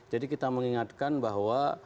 jadi kita mengingatkan bahwa